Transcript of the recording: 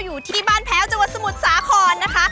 อยู่ที่บ้านแพ้วจังหวัดสมุทรสาครนะคะ